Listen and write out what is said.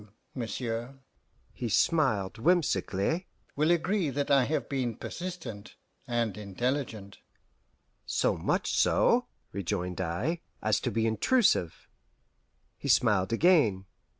You, monsieur" he smiled whimsically "will agree that I have been persistent and intelligent." "So much so," rejoined I, "as to be intrusive." He smiled again.